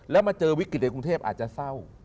แล้วมาเจอวิกฤตในกรุงเทพอาจจะเศร้า